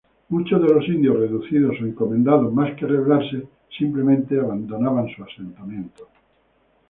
Muchos de los indios reducidos o encomendados, más que rebelarse, simplemente abandonan su asentamiento.